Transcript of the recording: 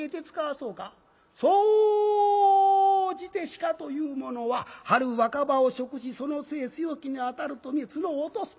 総じて鹿というものは春若葉を食しその精強きにあたるとね角を落とす。